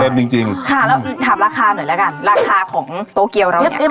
จริงจริงค่ะแล้วถามราคาหน่อยแล้วกันราคาของโตเกียวเราเนี้ย